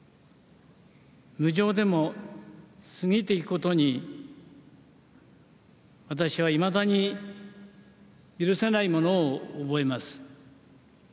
無情でも過ぎていくことに私はいまだに許せないものを覚えます。